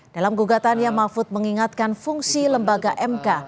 dalam gugatannya mahfud mengingatkan fungsi lembaga mk